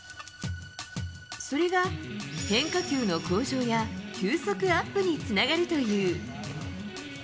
それが変化球の向上や球速アップにつながるという。